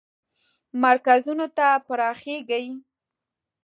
مرکزونو ته پراخیږي.